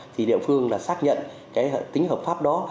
thì địa phương đã xác nhận tính hợp pháp đó